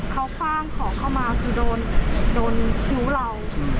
เขาคว้างเขาเข้ามาถึงโดนคิ้วเรา